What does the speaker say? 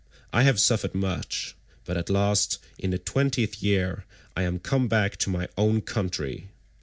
I have suffered much, but at last, in the twentieth year, I am come back to my own country.